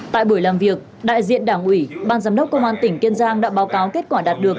tại buổi làm việc đại diện đảng ủy ban giám đốc công an tỉnh kiên giang đã báo cáo kết quả đạt được